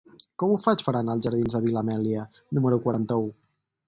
Com ho faig per anar als jardins de la Vil·la Amèlia número quaranta-u?